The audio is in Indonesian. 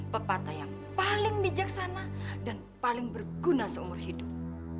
pepatah yang paling bijaksana dan paling berguna seumur hidup